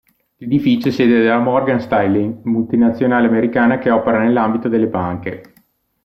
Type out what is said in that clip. L'edificio è sede della Morgan Stanley, multinazionale americana che opera nell'ambito delle banche.